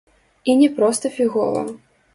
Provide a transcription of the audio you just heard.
І не проста фігова.